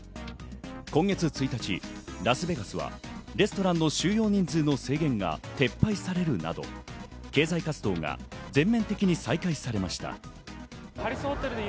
今月１日、ラスベガスはレストランの収容人数の制限が撤廃されるなど、経済活動が全面的に再開されました。